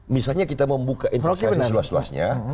misalnya kita mau buka investasi seluas luasnya